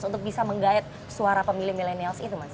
untuk bisa menggayat suara pemilih milenial